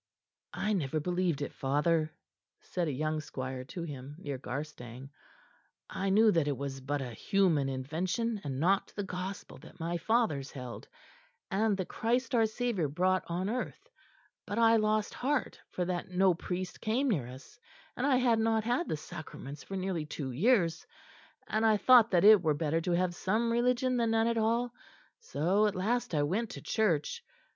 "I never believed it, father," said a young squire to him, near Garstang. "I knew that it was but a human invention, and not the Gospel that my fathers held, and that Christ our Saviour brought on earth; but I lost heart, for that no priest came near us, and I had not had the sacraments for nearly two years; and I thought that it were better to have some religion than none at all, so at last I went to church.